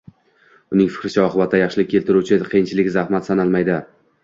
Uning fikricha, oqibatda yaxshilik keltiruvchi qiyinchilik zahmat sanalmaydi.